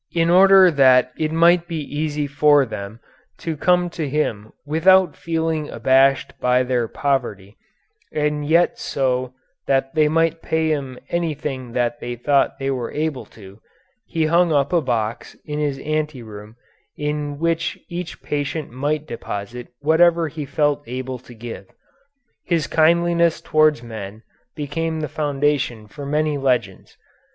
In order that it might be easy for them to come to him without feeling abashed by their poverty, and yet so that they might pay him anything that they thought they were able to, he hung up a box in his anteroom in which each patient might deposit whatever he felt able to give. His kindliness towards men became the foundation for many legends.